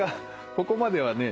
ここまではね